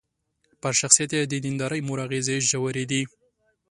پر شخصيت يې د ديندارې مور اغېزې ژورې دي.